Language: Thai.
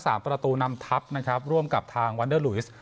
ประตูนำทัพนะครับร่วมกับทางวันเดอร์ลุยส